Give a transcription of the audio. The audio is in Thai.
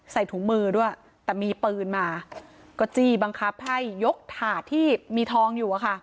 ใส่ถุงมือด้วยแต่มีปืนมาก็จี้บังคับให้ยกถาดที่มีทองอยู่อะค่ะ